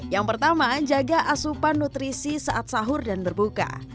yang pertama jaga asupan nutrisi saat sahur dan berbuka